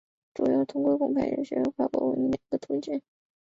主要通过公派留学或跨国婚姻两个途径。